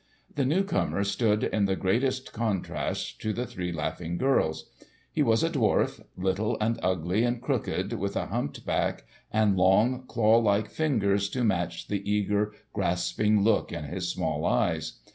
The new comer stood in the greatest contrast to the three laughing girls. He was a dwarf, little and ugly and crooked, with a humped back and long, claw like fingers to match the eager, grasping look in his small eyes.